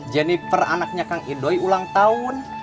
jennifer anaknya kang idoi ulang tahun